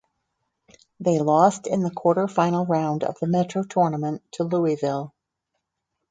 They lost in the quarterfinal round of the Metro Tournament to Louisville.